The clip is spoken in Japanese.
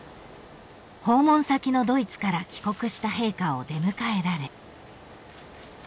［訪問先のドイツから帰国した陛下を出迎えられ］